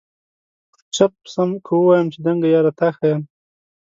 چپ سمه که ووایم چي دنګه یاره تا ښایم؟